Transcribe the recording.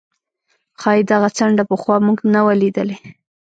ښايي دغه څنډه پخوا موږ نه وه لیدلې.